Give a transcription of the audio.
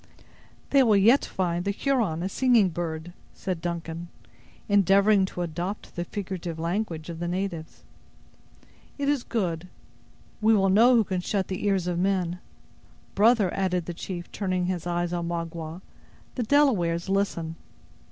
"They will yet find the Huron a singing bird," said Duncan, endeavoring to adopt the figurative language of the natives. "It is good. We will know who can shut the ears of men. Brother," added the chief turning his eyes on Magua, "the Delawares listen."